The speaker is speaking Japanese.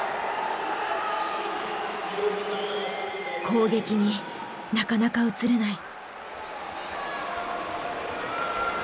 攻撃になかなか移れない。